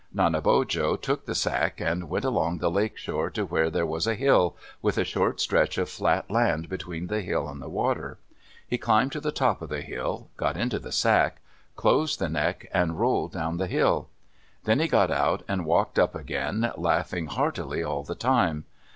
Nanebojo took the sack and went along the lake shore to where there was a hill, with a short stretch of flat land between the hill and the water. He climbed to the top of the hill, got into the sack, closed the neck, and rolled down the hill. Then he got out and walked up again, laughing heartily all the time.